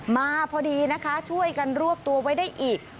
มาพอดีนะคะช่วยกันรวบตัวไว้ได้อีก